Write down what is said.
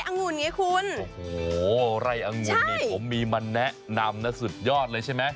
ไล่องุ่นเนี่ยคุณโอ้โหไล่องุ่นใช่ผมมีมันแนะนำน่าสุดยอดเลยใช่ไหม